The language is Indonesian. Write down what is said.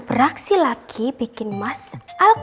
beraksi lagi bikin mas al